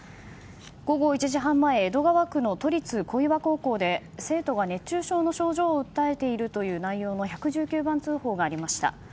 午後１時半前江戸川区の都立小岩高校で生徒が熱中症の症状を訴えているという内容の１１９番通報がありました。